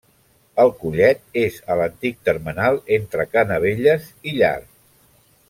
El collet és a l'antic termenal entre Canavelles i Llar.